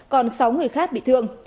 còn sáu người khác bị thương